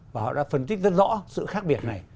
và họ đã phân tích rất rõ sự khác biệt này